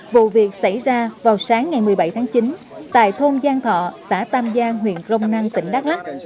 vụ việc xảy ra vào sáng ngày một mươi bảy tháng chín tại thôn giang thọ xã tam giang huyện crong năng tỉnh đắk lắc